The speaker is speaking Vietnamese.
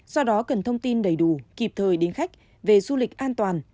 do đó cần thông tin đầy đủ kịp thời đến khách về du lịch an toàn